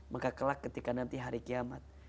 maka kelak ketika nanti hari kiamat